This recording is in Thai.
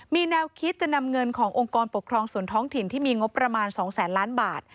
มีแนวคิดจะนำเงินขององค์กรปกครองส่วนท้องถิ่นที่มีงบประมาณ๒แสนล้านบาท